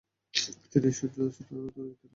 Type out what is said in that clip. তিনি সূর্যস্নানরত একদল নাবিকের ছবি আঁকেন।